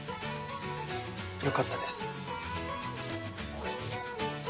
よかったです。